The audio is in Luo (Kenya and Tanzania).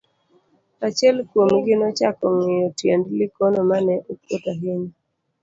achiel kuom gi nochako ng'iyo tiend Likono ma ne okuot ahinya